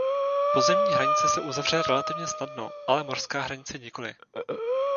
Pozemní hranice se uzavře relativně snadno, ale mořská hranice nikoli.